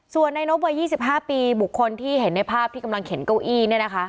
ส่วนในนบวัย๒๕ปีบุคคลที่เห็นในภาพที่กำลังเข็นเก้าอี้เนี่ยนะคะ